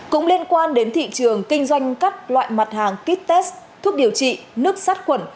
cũng liên quan đến thị trường kinh doanh các loại mặt hàng kit test thuốc điều trị nước sát khuẩn